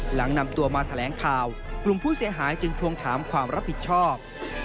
หลังนำตัวมาแถลงข่าวกลุ่มผู้เสียหายจึงทวงถามความรับผิดชอบ